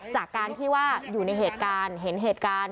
จากการที่ว่าอยู่ในเหตุการณ์เห็นเหตุการณ์